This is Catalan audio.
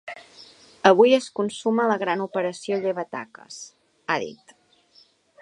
Avui es consuma la gran operació llevataques, ha dit.